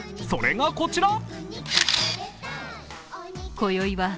それがこちら。